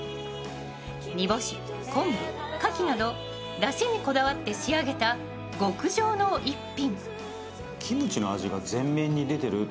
煮干し、昆布、かきなどだしにこだわって仕上げた極上の一品。